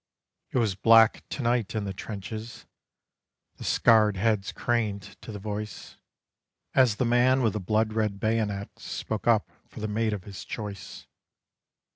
"It was black to night in the trenches." The scarred heads craned to the voice, As the man with the blood red bayonet spoke up for the mate of his choice.